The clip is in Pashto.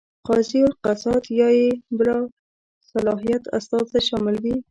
قاضي القضات یا یې باصلاحیت استازی شامل وي.